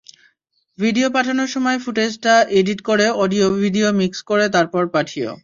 Video পাঠানোর সময় ফুটেজটা এডিট করে অডিয়ো ভিডিয়ো মিক্স করে তারপর পাঠিয়ো।